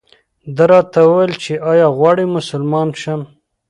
ده راته وویل چې ایا غواړم مسلمان شم.